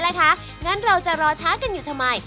ใช่ไหมล่ะคะงั้นเราจะรอช้ากันอยู่ทำไม